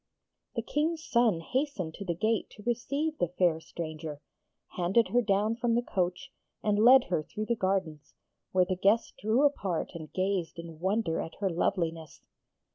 The King's son hastened to the gate to receive the fair stranger, handed her down from the coach, and led her through the gardens, where the guests drew apart and gazed in wonder at her loveliness.